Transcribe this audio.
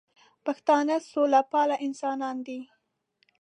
پښتانه سوله پال انسانان دي